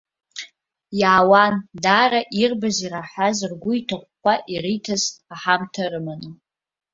Иаауан дара ирбаз-ираҳаз ргәы иҭахәхәа, ириҭаз аҳамҭа рыманы.